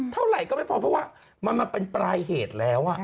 เท่าไหร่ก็ไม่พอเพราะว่ามันเป็นปลายเหตุแล้ว